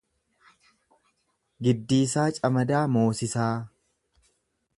Giddiisaa Camadaa Moosisaa